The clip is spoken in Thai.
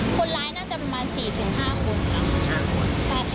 คนร้ายน่าจะประมาณ๔๕คนใช่